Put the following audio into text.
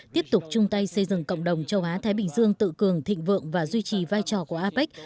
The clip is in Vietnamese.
tiếp tục chung tay xây dựng cộng đồng châu á thái bình dương tự cường thịnh vượng và duy trì vai trò của apec